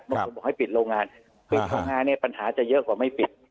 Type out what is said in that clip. บอกให้ปิดโรงงานปิดโรงงานเนี่ยปัญหาจะเยอะกว่าไม่ปิด